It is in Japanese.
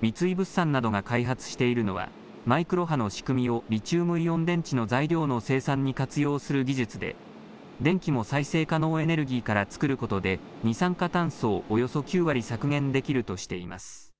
三井物産などが開発しているのはマイクロ波の仕組みをリチウムイオン電池の材料の生産に活用する技術で電気も再生可能エネルギーから作ることで二酸化炭素をおよそ９割削減できるとしています。